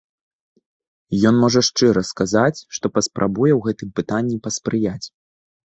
Ён можа шчыра сказаць, што паспрабуе ў гэтым пытанні паспрыяць.